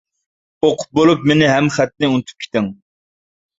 ئوقۇپ بولۇپ مېنى ھەم خەتنى ئۇنتۇپ كېتىڭ.